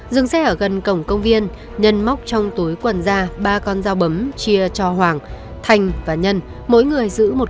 dừng xe ở gần cổng công viên nhân móc trong túi quần ra ba con dao bấm chia cho hoàng thành và nhân mỗi người giữ một